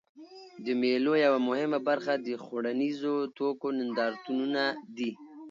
د مېلو یوه مهمه برخه د خوړنیزو توکو نندارتونونه دي.